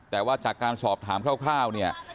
แต่ว่าจากการสอบถามคร่าวเนี่ย